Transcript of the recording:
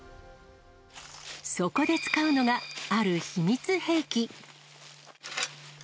そこで使うのが、ある秘密兵器。